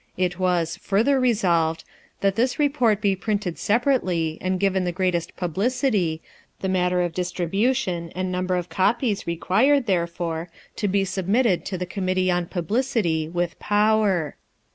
It was Further resolved, That this report be printed separately and given the greatest publicity, the matter of distribution and number of copies required therefor to be submitted to the committee on publicity, with power.